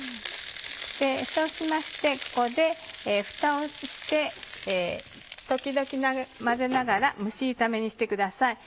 そうしましてここでフタをして時々混ぜながら蒸し炒めにしてください。